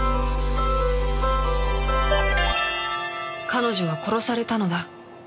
彼女は殺されたのだ